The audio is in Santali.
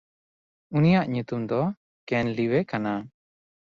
ᱩᱱᱤᱭᱟᱜ ᱧᱩᱛᱩᱢ ᱫᱚ ᱠᱮᱱᱞᱤᱣᱮ ᱠᱟᱱᱟ᱾